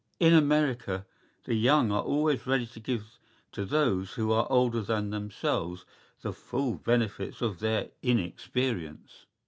¬Ý In America the young are always ready to give to those who are older than themselves the full benefits of their inexperience.